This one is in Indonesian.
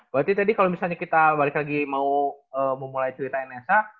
berarti tadi kalau misalnya kita balik lagi mau memulai cerita nsa